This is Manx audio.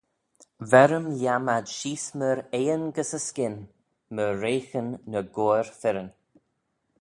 Ver-ym lhiam ad sheese myr eayin gys y skynn, myr reaghyn ny goair fyrryn.